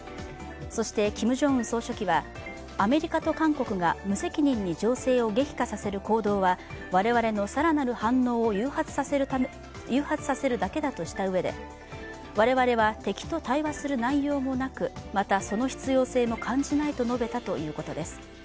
そして、キム・ジョンウン総書記はアメリカと韓国が無責任に情勢を激化させる行動は我々の更なる反応を誘発させるだけだとしたうえで、我々は敵と対話する内容もなく、また、その必要性も感じないと述べたということです。